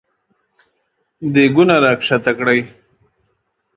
دېګونه راکښته کړی !